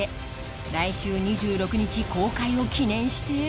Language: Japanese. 来週２６日公開を記念して